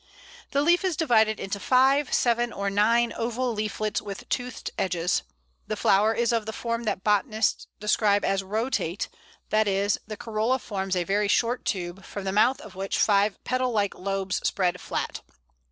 The leaf is divided into five, seven, or nine oval leaflets with toothed edges. The flower is of the form that botanists describe as rotate, that is, the corolla forms a very short tube, from the mouth of which five petal like lobes spread flat.